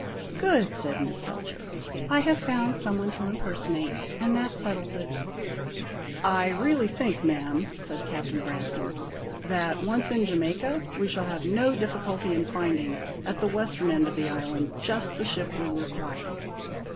"Good," said Miss Belcher. "I have found some one to impersonate; and that settles it." "I really think, ma'am," said Captain Branscome, "that, once in Jamaica, we shall have no difficulty in finding, at the western end of the island, just the ship we require."